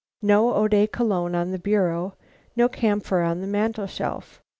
No eau de Cologne on the bureau, no camphor on the mantel shelf.